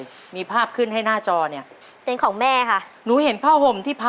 ขอเชิญแสงเดือนมาต่อชีวิตเป็นคนต่อชีวิตเป็นคนต่อชีวิต